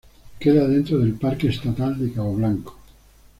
Queda dentro del "Parque estatal de cabo Blanco".